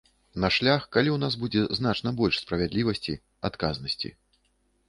На шлях, калі ў нас будзе значна больш справядлівасці, адказнасці.